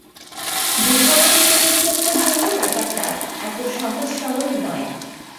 বেসামরিক কর্তৃপক্ষের জন্য ব্যাপারটা এত সহজ সরল নয়।